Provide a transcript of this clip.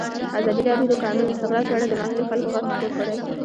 ازادي راډیو د د کانونو استخراج په اړه د محلي خلکو غږ خپور کړی.